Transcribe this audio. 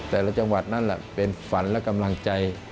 แต่ละจังหวัดนั่นแหละเป็นฝันและกำลังใจ